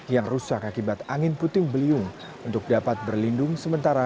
yang rusak akibat angin puting beliung untuk dapat berlindung sementara